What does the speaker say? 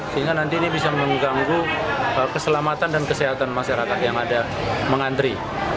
sehingga nanti ini bisa mengganggu keselamatan dan kesehatan masyarakat yang ada mengantri